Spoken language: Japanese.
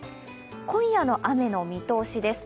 今夜の雨の見通しです。